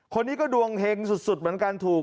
คนนี้ก็ดวงเฮงสุดเหมือนกันถูก